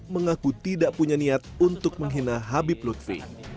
mengaku tidak punya niat untuk menghina habib lutfi